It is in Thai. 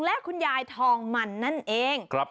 และคุณยายทองมันนั่นเอง